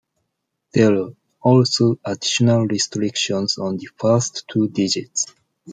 There are also additional restrictions on the first two digits.